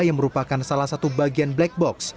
yang merupakan salah satu bagian black box